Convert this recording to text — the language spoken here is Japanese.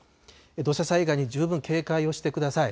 土砂災害に十分警戒をしてください。